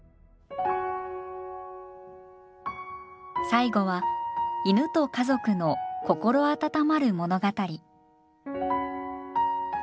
最後は犬と家族の心温まる物語。